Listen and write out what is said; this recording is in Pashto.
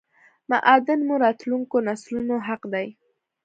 معادن مو راتلونکو نسلونو حق دی